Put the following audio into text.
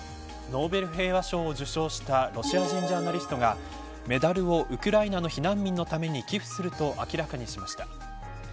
ノーベル平和賞を受賞したロシア人ジャーナリストがメダルをウクライナの避難民のために寄付すると明らかにしました。